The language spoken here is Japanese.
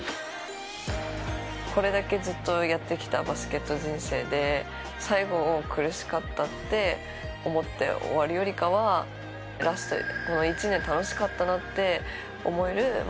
これだけずっとやってきたバスケット人生で最後を苦しかったって思って終わるよりかはラストの１年楽しかったなって思えるバスケット人生に。